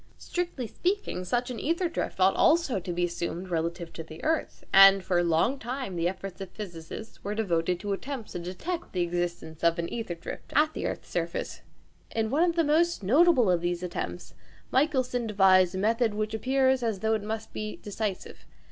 Strictly speaking, such an ćther drift ought also to be assumed relative to the earth, and for a long time the efforts of physicists were devoted to attempts to detect the existence of an ćther drift at the earth's surface. In one of the most notable of these attempts Michelson devised a method which appears as though it must be decisive.